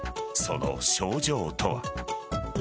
その症状とは。